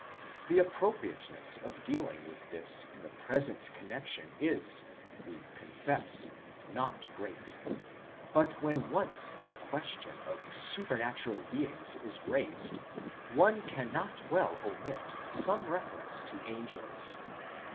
The appropriateness of dealing with this in the present connexion is, we confess, not great ; but when once the question of supernatural beings is raised one cannot well omit some reference to angels.